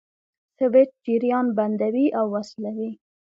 سویچ جریان بندوي او وصلوي.